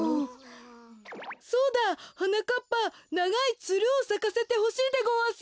そうだはなかっぱながいつるをさかせてほしいでごわす。